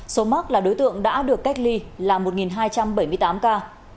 số mắc là đối tượng đã được cách ly là một hai trăm bảy mươi tám ca